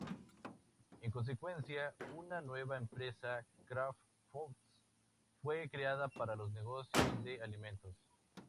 En consecuencia, una nueva empresa, Kraft Foods, fue creada para los negocios de alimentos.